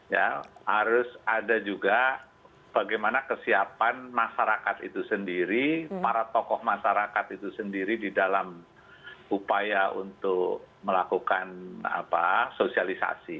ya harus ada juga bagaimana kesiapan masyarakat itu sendiri para tokoh masyarakat itu sendiri di dalam upaya untuk melakukan sosialisasi